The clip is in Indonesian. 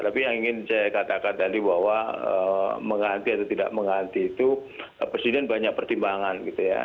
tapi yang ingin saya katakan tadi bahwa mengganti atau tidak mengganti itu presiden banyak pertimbangan gitu ya